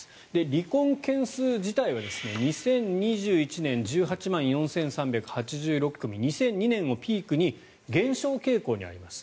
離婚件数自体は２０２１年、１８万４３８６組２００２年をピークに減少傾向にあります。